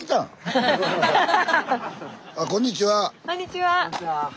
こんにちは。